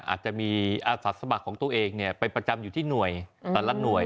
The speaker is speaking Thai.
อาจจะมีอาสาสมัครของตัวเองไปประจำอยู่ที่หน่วยแต่ละหน่วย